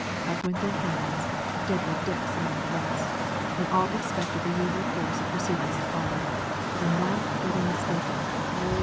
Up went their hands, Deadwood Dick's among the rest, and all expected the usual course of proceedings to follow; but in that they were mistaken.